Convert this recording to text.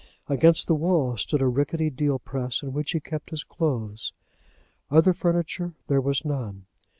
Against the wall stood a rickety deal press in which he kept his clothes. Other furniture there was none.